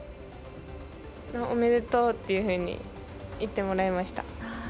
おめでとうっていうふうに言ってもらいました。